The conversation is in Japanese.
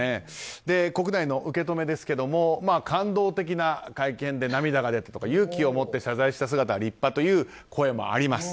国内の受け止めですが感動的な会見で涙が出たとか勇気を持って謝罪した姿は立派という声もあります。